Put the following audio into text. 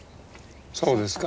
そうですか。